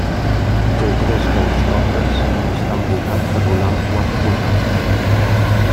Té tres grans torres i està envoltat per un ample fossat.